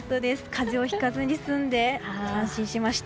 風邪をひかずに済んで安心しました。